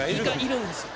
いるんですよ。